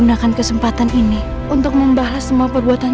aku benci sama kamu putri